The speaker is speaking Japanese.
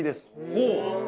ほう！